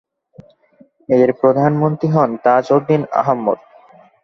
এর প্রধানমন্ত্রী হন তাজউদ্দিন আহমদ।